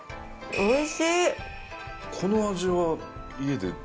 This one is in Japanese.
おいしい！